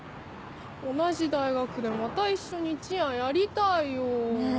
同じ大学でまた一緒にチアやりたいよ。ね！